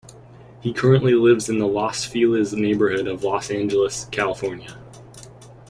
He currently lives in the Los Feliz neighborhood of Los Angeles, California.